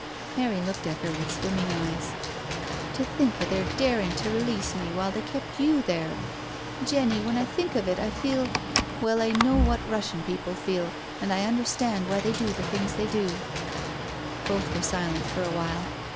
'* Mary looked at her with swimming eyes :*' To think of their daring to release me while they kept yoa there I Jenny, when I think of it I feel •.• Well, I know what Russian people feel, and I under stand why they do the things they do I " Both were silent for a while.